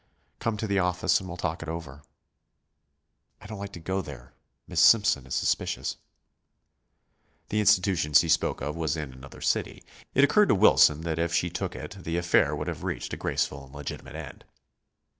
"Come to the office and we'll talk it over." "I don't like to go there; Miss Simpson is suspicious." The institution she spoke of was in another city. It occurred to Wilson that if she took it the affair would have reached a graceful and legitimate end.